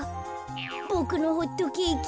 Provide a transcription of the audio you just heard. ボクのホットケーキ。